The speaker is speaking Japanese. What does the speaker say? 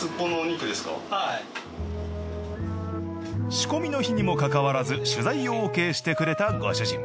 仕込みの日にもかかわらず取材をオーケーしてくれたご主人。